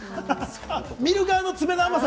見る側の詰めの甘さ。